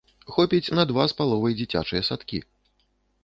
Хопіць на два з паловай дзіцячыя садкі.